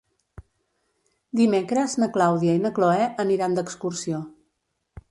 Dimecres na Clàudia i na Cloè aniran d'excursió.